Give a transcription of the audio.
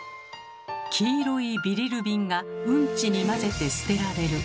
黄色いビリルビンがうんちに混ぜて捨てられる。